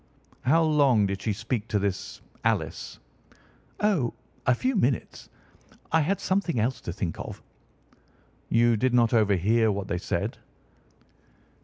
"How long did she speak to this Alice?" "Oh, a few minutes. I had something else to think of." "You did not overhear what they said?"